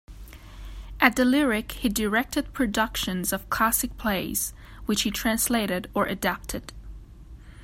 At the Lyric he directed productions of classic plays, which he translated or adapted.